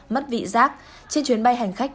mất vị rác trên chuyến bay hành khách